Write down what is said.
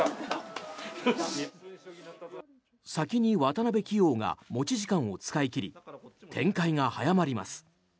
先に渡辺棋王が持ち時間を使い切り展開が早まります。